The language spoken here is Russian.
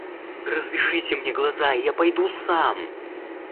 Развяжите мне глаза и я пойду сам.